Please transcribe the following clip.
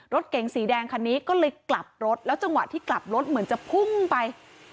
รถเก๋งสีแดงคันนี้ก็เลยกลับรถแล้วจังหวะที่กลับรถเหมือนจะพุ่งไป